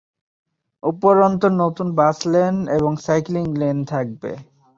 উপরন্তু, নতুন bus lane এবং সাইক্লিং লেন থাকবে।